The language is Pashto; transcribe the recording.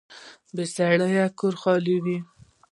بې سړي کور خالي وي